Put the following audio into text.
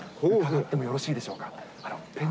伺ってもよろしいでしょうか。